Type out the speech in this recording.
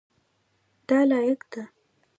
دا لاییک ده.